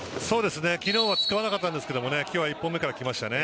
昨日は使わなかったんですが今日は１本目から来ましたね。